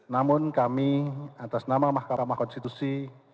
namun kami atas nama mahkamah konstitusi